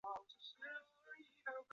布罗德盖石圈是新石器时代遗迹。